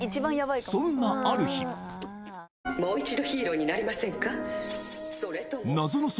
そんなある日もう一度ヒーローになりませんか？